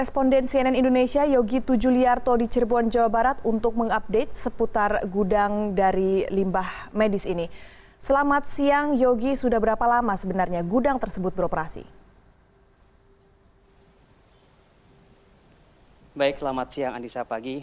petugas bergerak menuju sebelas gudang limbah medis yang akan disegel